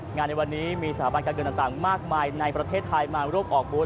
ในวันนี้มีสถาบันการเงินต่างมากมายในประเทศไทยมาร่วมออกบุญ